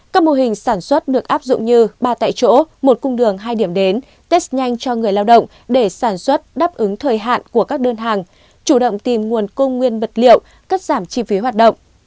các mô hình sản xuất được áp dụng như ba tại chỗ một cung đường hai điểm đến test nhanh cho người lao động để sản xuất đáp ứng thời hạn của các đơn hàng chủ động tìm nguồn cung nguyên vật liệu cắt giảm chi phí hoạt động